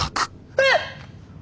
えっ！